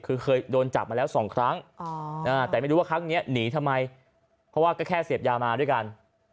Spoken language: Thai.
คือเคยโดนจับมาแล้วสองครั้งแต่ไม่รู้ว่าครั้งนี้หนีทำไมเพราะว่าก็แค่เสพยามาด้วยกัน